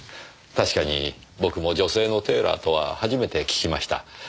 確かに僕も女性のテーラーとは初めて聞きました。